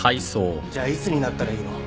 じゃあいつになったらいいの？